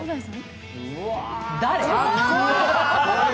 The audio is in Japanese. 誰？